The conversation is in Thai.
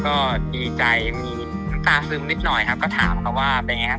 ก็ดีใจมีน้ำตาซึมนิดหน่อยครับก็ถามเขาว่าเป็นไงครับ